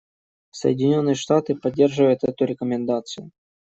Соединенные Штаты поддерживают эту рекомендацию.